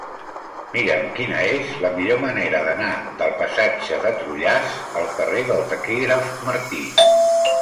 Mira'm quina és la millor manera d'anar del passatge de Trullàs al carrer del Taquígraf Martí.